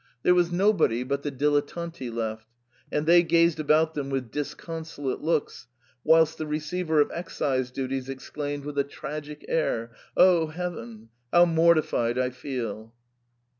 There was nobody but the dilettanti left, and they gazed about them with disconsolate looks, whilst the receiver of excise duties exclaimed, with a tragic air, * O heaven ! how mortified I feel